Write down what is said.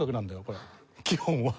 これ基本は。